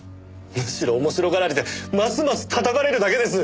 むしろ面白がられてますます叩かれるだけです。